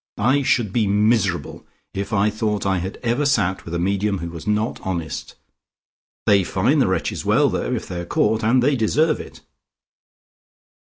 I should be miserable if I thought I had ever sat with a medium who was not honest. They fine the wretches well, though, if they are caught, and they deserve it."